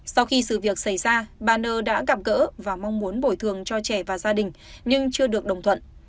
sau khi sự việc xảy ra bà nơ đã gặp gỡ và mong muốn bồi thường cho trẻ và gia đình nhưng chưa được đồng thuận